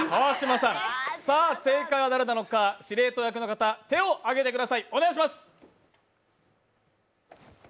正解は誰なのか、司令塔役の方、手を挙げてください、お願いします。